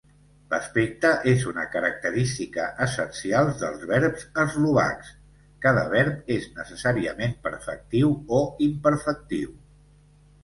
L'aspecte és una característica essencial dels verbs eslovacs: cada verb és necessàriament perfectiu o imperfectiu.